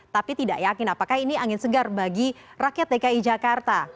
tapi tidak yakin apakah ini angin segar bagi rakyat dki jakarta